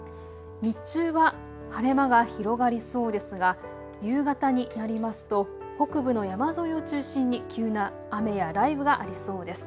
日中は晴れ間が広がりそうですが夕方になりますと北部の山沿いを中心に急な雨や雷雨がありそうです。